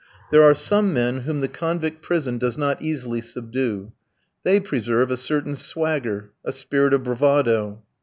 There are some men whom the convict prison does not easily subdue. They preserve a certain swagger, a spirit of bravado.